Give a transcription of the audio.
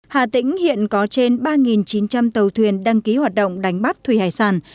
hà tĩnh hiện có trên ba chín trăm linh tàu thuyền đăng ký hoạt động đánh bắt thủy hải sản